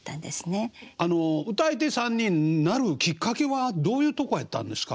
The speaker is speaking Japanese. あの歌い手さんになるきっかけはどういうとこやったんですか？